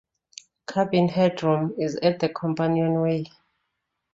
Cabin headroom is at the companionway.